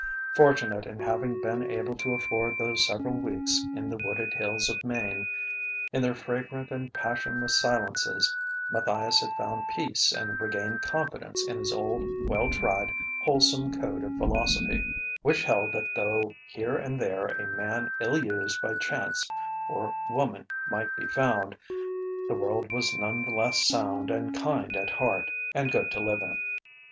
Fortunate in having been able to afford those several weeks in the wooded hills of Maine, in their fragrant and passionless silences Matthias had found peace and regained confidence in his old, well tried, wholesome code of philosophy; which held that though here and there a man ill used by chance or woman might be found, the world was none the less sound and kind at heart, and good to live in.